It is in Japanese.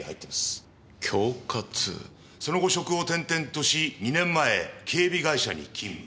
その後職を転々とし２年前警備会社に勤務。